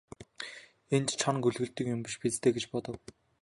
Энд чоно гөлөглөдөг юм биш биз дээ гэж бодов.